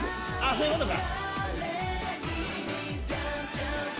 そういうことか。